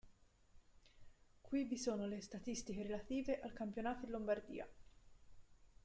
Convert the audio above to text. Qui vi sono le statistiche relative al campionato in Lombardia.